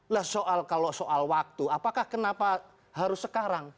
lah soal kalau soal waktu apakah kenapa harus sekarang